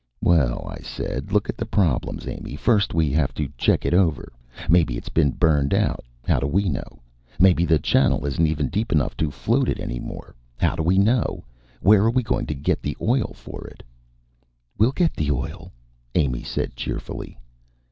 "Well," I said, "look at the problems, Amy. First we have to check it over. Maybe it's been burned out how do we know? Maybe the channel isn't even deep enough to float it any more how do we know? Where are we going to get the oil for it?" "We'll get the oil," Amy said cheerfully.